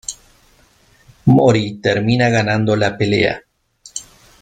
Mori termina ganando la pelea.